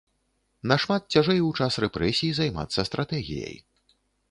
Нашмат цяжэй у час рэпрэсій займацца стратэгіяй.